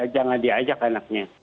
jangan diajak anaknya